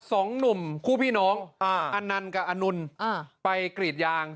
สองหนุ่มคู่พี่น้องอ่าอนันต์กับอนนท์อ่าไปกรีดยาง